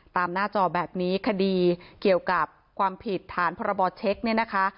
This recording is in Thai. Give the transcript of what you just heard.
ตามหน้าจอแบบนี้คดีเกี่ยวกับความผิดฐานพระบอบเช็ค